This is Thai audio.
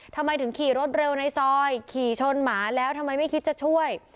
ทำไมถึงขี่รถเร็วในซอยขี่ชนหมาแล้วทำไมไม่คิดจะช่วย